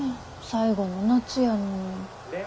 最後の夏やのに。